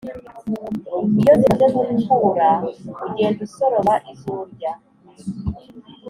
iyo zimaze gukura ugenda usoroma izo urya